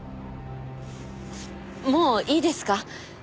もういいですか？